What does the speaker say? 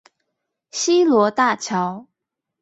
西螺大橋